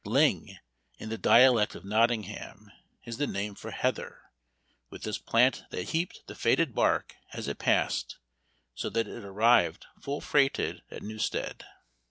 Ling, in the dialect of Nottingham, is the name for heather; with this plant they heaped the fated bark as it passed, so that it arrived full freighted at Newstead.